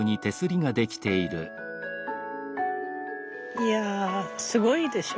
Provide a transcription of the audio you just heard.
いやすごいでしょ。